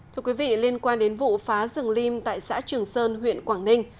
thưa quý vị liên quan đến vụ phá rừng lim tại xã trường sơn huyện quảng ninh